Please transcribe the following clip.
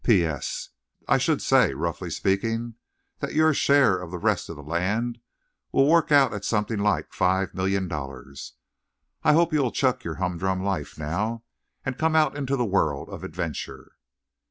P. S. I should say, roughly speaking, that your share of the rest of the land will work out at something like five million dollars. I hope you'll chuck your humdrum life now and come out into the world of adventure.